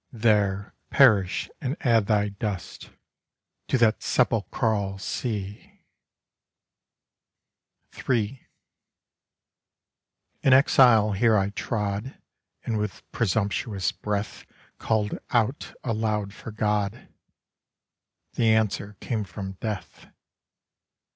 There perish and add thy dust To that sepulchral sea.' III In exile here I trod And with presumptuous breath Call'd out aloud for God: The Answer came from Death.